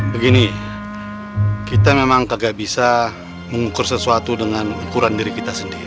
begini kita memang kagak bisa mengukur sesuatu dengan ukuran diri kita sendiri